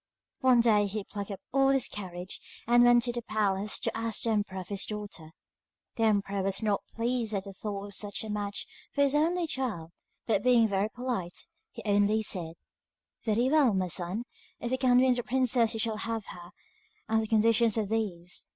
One day he plucked up all his courage and went to the palace to ask the emperor for his daughter. The emperor was not much pleased at the thought of such a match for his only child, but being very polite, he only said: 'Very well, my son, if you can win the princess you shall have her, and the conditions are these.